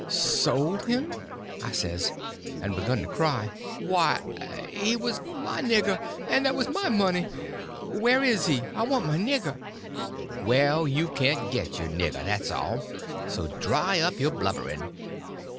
"Sold him?" I says, and begun to cry; "why, he was my nigger, and that was my money. Where is he?—I want my nigger." "Well, you can't get your nigger, that's all—so dry up your blubbering.